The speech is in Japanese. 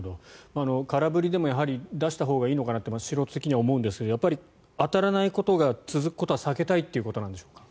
空振りでも出したほうがいいのかなと素人的には思うんですがやっぱり当たらないことが続くことは避けたいということなのでしょうか。